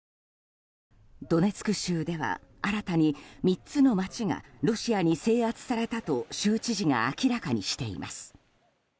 ドネツク州では新たに３つの町がロシアに制圧されたと州知事が明らかにしています。